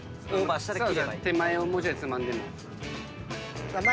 手前をもうちょいつまんで。